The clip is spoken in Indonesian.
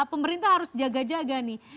pemerintah harus jaga jaga nih